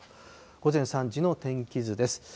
午前３時の天気図です。